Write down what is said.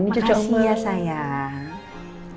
makasih ya sayang